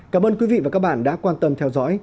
cảm ơn quý vị và các bạn đã quan tâm theo dõi